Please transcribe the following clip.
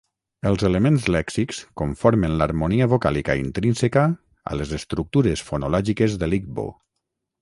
Els elements lèxics conformen l'harmonia vocàlica intrínseca a les estructures fonològiques de l'igbo.